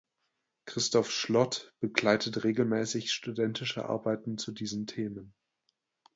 Christoph Schlott begleitet regelmäßig studentische Arbeiten zu diesen Themen.